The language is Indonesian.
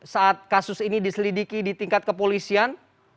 saat kasus ini diselidiki di tingkat kepolisian